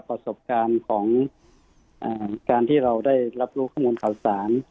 ประสบการณ์ของการที่เราได้รับรู้ข้อมูลข่าวสาร